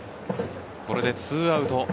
これでツーアウト。